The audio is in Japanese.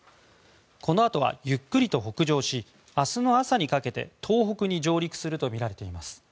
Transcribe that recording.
このあとは、ゆっくりと北上し明日の朝にかけて東北に上陸するとみられています。